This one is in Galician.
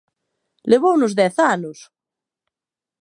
¡Levounos dez anos!